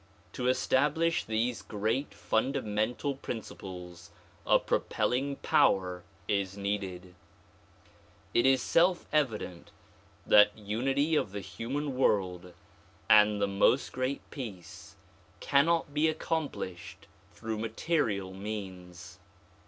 To establish these great fundamental principles a propelling power is needed. It is self evident that unity of the human world and the "Most Great Peace" cannot be accomplished through material means.